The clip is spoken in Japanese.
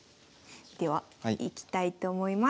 ではいきたいと思います。